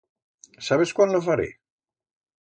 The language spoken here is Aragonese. Sabes cuán lo faré?